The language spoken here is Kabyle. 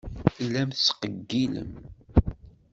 Tellam tettqeyyilem.